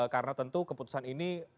karena tentu keputusan ini